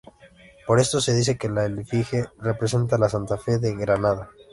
Por esto, se dice que la efigie representa a la "Santa Fe de Granada".